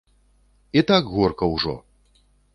І так горка ўжо!